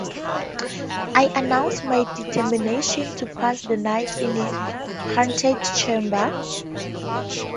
I announced my determination to pass the night in a haunted chamber.